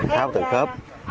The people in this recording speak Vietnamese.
tháo từ khớp